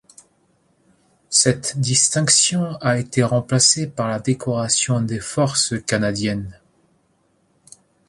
Cette distinction a été remplacée par la Décoration des forces canadiennes.